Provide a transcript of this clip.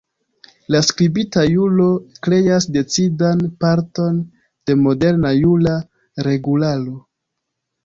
La skribita juro kreas decidan parton de moderna jura regularo.